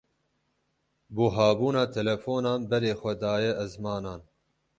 Buhabûna telefonan berê xwe daye ezmanan.